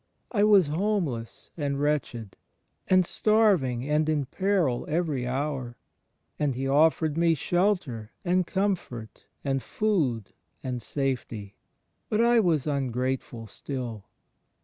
I was homeless, and wretched, and starving and in peril every hour; and He offered me shelter and comfort and food and safety; but I was ungrateful still.